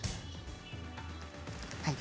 はい。